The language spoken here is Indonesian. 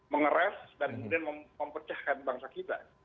mengeras dan kemudian mempecahkan bangsa kita